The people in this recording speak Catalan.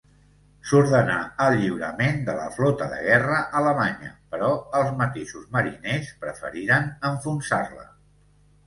S'ordenà el lliurament de la flota de guerra alemanya, però els mateixos mariners preferiren enfonsar-la.